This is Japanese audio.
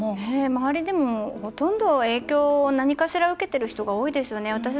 周りでもほとんど影響何かしら受けている人が多いですよね。